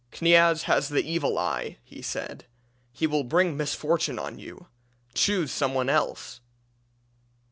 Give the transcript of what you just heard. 'Kniaz has the evil eye,' he said; 'he will bring misfortune on you. Choose some one else.'